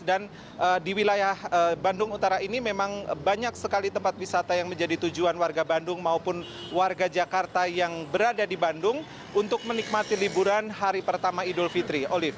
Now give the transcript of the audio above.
dan di wilayah bandung utara ini memang banyak sekali tempat wisata yang menjadi tujuan warga bandung maupun warga jakarta yang berada di bandung untuk menikmati liburan hari pertama idul fitri